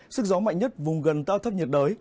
sức gió mạnh nhất vùng gần tàu áp thấp nhiệt đới